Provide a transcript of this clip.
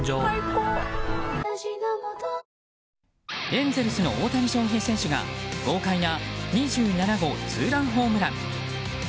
エンゼルスの大谷翔平選手が豪快な２７号ツーランホームラン。